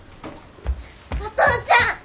お父ちゃん！